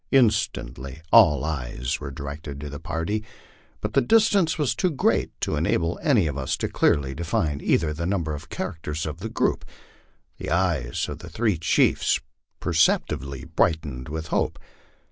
Instantly all eyes were directed to the party, but the distance was too great to enable any of us to clearly define either the number or character of the group. The eyes of the three chiefs percepti bly brightened with hope.